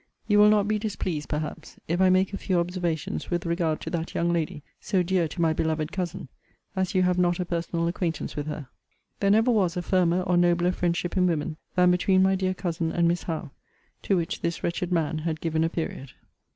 You will not be displeased, perhaps, if I make a few observations with regard to that young lady, so dear to my beloved cousin, as you have not a personal acquaintance with her. There never was a firmer or nobler friendship in women, than between my dear cousin and Miss Howe, to which this wretched man had given a period.